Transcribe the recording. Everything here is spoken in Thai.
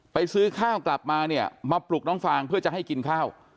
ซื้อข้าวกลับมาเนี่ยมาปลุกน้องฟางเพื่อจะให้กินข้าว